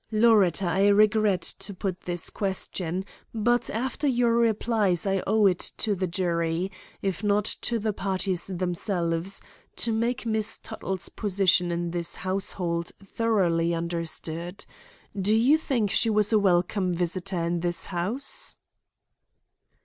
"Loretta, I regret to put this question, but after your replies I owe it to the jury, if not to the parties themselves, to make Miss Tuttle's position in this household thoroughly understood. Do you think she was a welcome visitor in this house?"